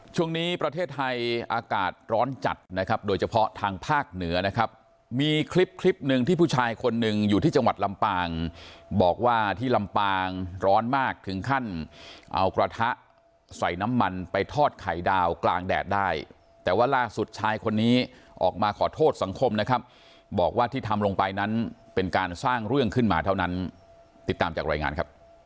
ช่วงนี้ประเทศไทยอากาศร้อนจัดนะครับโดยเฉพาะทางภาคเหนือนะครับมีคลิปคลิปหนึ่งที่ผู้ชายคนหนึ่งอยู่ที่จังหวัดลำปางบอกว่าที่ลำปางร้อนมากถึงขั้นเอากระทะใส่น้ำมันไปทอดไข่ดาวกลางแดดได้แต่ว่าล่าสุดชายคนนี้ออกมาขอโทษสังคมนะครับบอกว่าที่ทำลงไปนั้นเป็นการสร้างเรื่องขึ้นมาเท่านั้นติดตามจากรายงานครับ